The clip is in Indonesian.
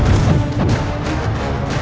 rai harus berhati hati